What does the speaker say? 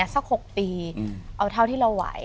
สัก๖ปีเอาเท่าที่เราไหว